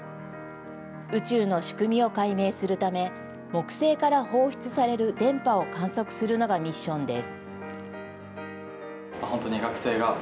宇宙の仕組みを解明するため、木星から放出される電波を観測するのがミッションです。